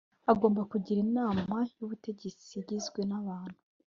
agomba kugira Inama y Ubutegetsi igizwe n abantu